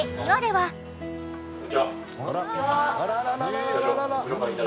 はい。